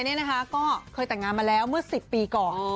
คุณเคก็เคยตัดงานมาแล้วเมื่อ๑๐ปีก่อน